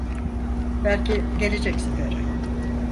Belki gelecek sefere.